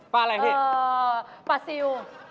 ปลาอะไรพี่เอ่อปลาซิว